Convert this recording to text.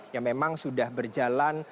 yang memang sudah berjalan